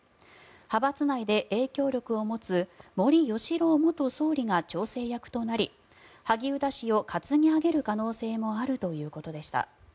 派閥内で影響力を持つ森喜朗元総理が調整役となり萩生田氏を担ぎ上げる可能性もあるということでした。